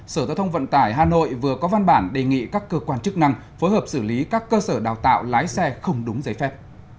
sở giao thông vận tải hà nội vừa có văn bản đề nghị các cơ quan chức năng phối hợp xử lý các cơ sở đào tạo lái xe không đúng giấy phép